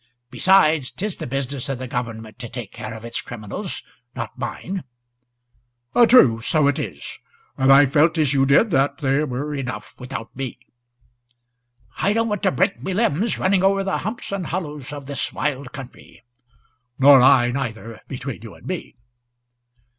Besides, 't is the business o' the government to take care of its criminals, not mine." "True, so it is; and I felt as you did that were enough without me." "I don't want to break my limbs running over the humps and hollows of this wild country." "Nor I, either, between you and me."